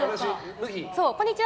こんにちは！